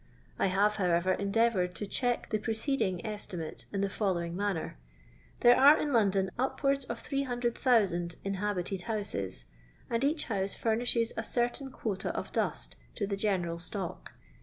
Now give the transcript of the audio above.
I have, however, endeavoured to dieck the preceding estimate in the following manner. There are in London upwards of SOO, OUO inhabited houses, and each house furnishes a oertain quota of dust to the general atock.